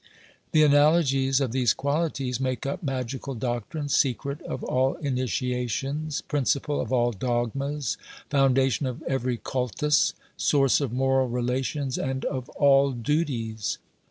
The analogies of these qualities make up magical doctrine, secret of all initiations, principle of all dogmas, foundation of every cultus, source of moral relations and of all duties.